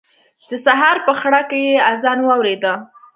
د سهار په خړه کې يې اذان واورېد.